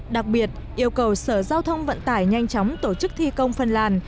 đặc biệt yêu cầu sở giao thông vận tải nhanh chóng tổ chức thi công phân làn